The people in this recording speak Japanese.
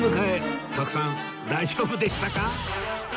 徳さん大丈夫でしたか？